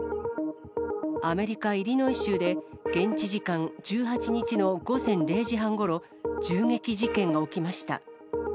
アメリカ・イリノイ州で、現地時間１８日の午前０時半ごろ、銃撃事件が起きました。